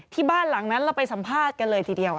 ที่บ้านหลังนั้นเราไปสัมภาษณ์กันเลยทีเดียว